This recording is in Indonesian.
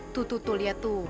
tuh tuh tuh liat tuh